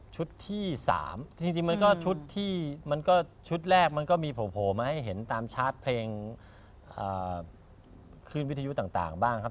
ที่๓จริงมันก็ชุดที่มันก็ชุดแรกมันก็มีโผล่มาให้เห็นตามชาร์จเพลงคลื่นวิทยุต่างบ้างครับ